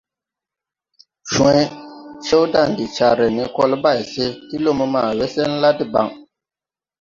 Cwa̧y, Cewdandi car re ne Colbay se ti lumo ma we sen la debaŋ.